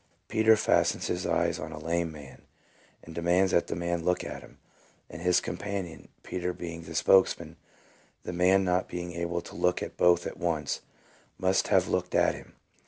2 Peter fastens his eyes on a lame man, and demands that the man look at him and his com panion (Peter being the spokesman, the man not being able to look at both at once, must have looked at him).